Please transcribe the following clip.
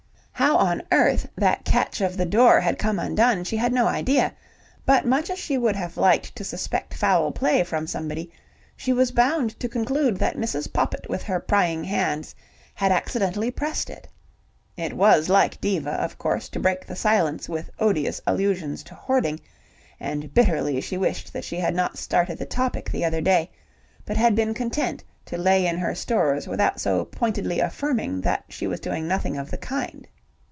How on earth that catch of the door had come undone, she had no idea, but much as she would have liked to suspect foul play from somebody, she was bound to conclude that Mrs. Poppit with her prying hands had accidentally pressed it. It was like Diva, of course, to break the silence with odious allusions to hoarding, and bitterly she wished that she had not started the topic the other day, but had been content to lay in her stores without so pointedly affirming that she was doing nothing of the kind.